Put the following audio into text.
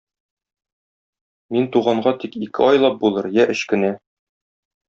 Мин туганга тик ике айлап булыр я өч кенә.